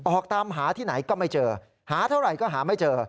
ออกตามหาที่ไหนก็ไม่เจอหาเท่าไหร่ก็หาไม่เจอ